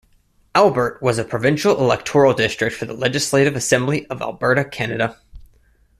Albert was a provincial electoral district for the Legislative Assembly of Alberta, Canada.